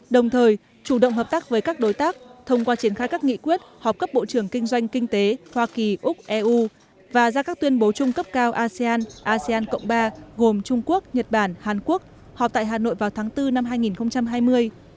đồng thời chủ động hợp tác với các đối tác thông qua triển khai các nghị quyết họp cấp bộ trưởng kinh doanh kinh tế hoa kỳ úc eu và ra các tuyên bố chung cấp cao asean asean cộng ba gồm trung quốc nhật bản hàn quốc họp tại hà nội vào tháng bốn năm hai nghìn hai mươi